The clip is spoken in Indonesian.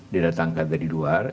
didatangkan dari luar